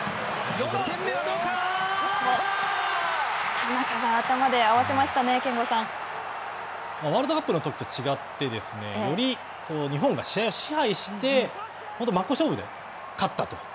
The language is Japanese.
田中が頭で合わせましたね、ワールドカップのときと違って、より日本が試合を支配して、真っ向勝負で勝ったと。